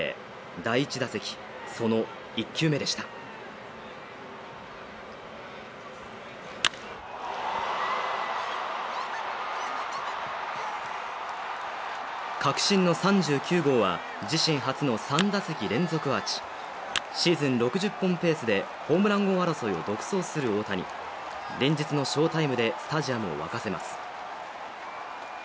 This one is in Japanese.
第１打席その１球目でした確信の３９号は自身初の３打席連続アーチシーズン６０本ペースでホームラン王争いを独走する大谷連日の翔タイムでスタジアムを沸かせます